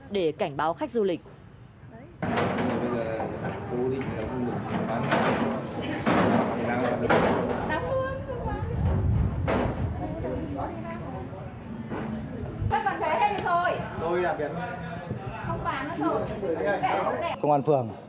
để cảnh báo khách du lịch